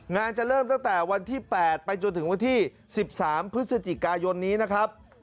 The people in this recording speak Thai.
จะเริ่มตั้งแต่วันที่๘ไปจนถึงวันที่๑๓พฤศจิกายนนี้นะครับ